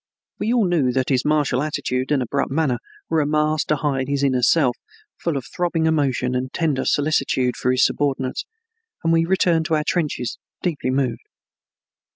We all knew that his martial attitude and abrupt manner were a mask to hide his inner self, full of throbbing emotion and tender solicitude for his subordinates, and we returned to our trenches deeply moved.